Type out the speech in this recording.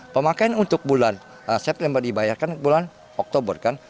pemakaian untuk bulan saya pilih dibayarkan bulan oktober